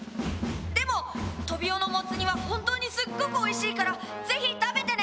「でもトビオのモツ煮は本当にすっごくおいしいからぜひ食べてね！」。